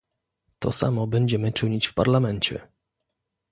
To samo będziemy czynić w Parlamencie